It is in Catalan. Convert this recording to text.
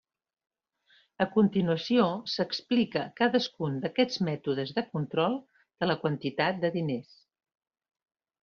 A continuació s'explica cadascun d'aquests mètodes de control de la quantitat de diners.